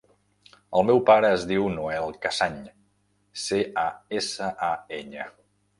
El meu pare es diu Noel Casañ: ce, a, essa, a, enya.